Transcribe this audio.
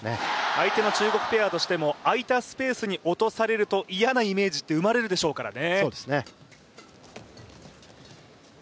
相手の中国ペアとしても、空いたスペースに落とされると、嫌なイメージって生まれるでしょうからね。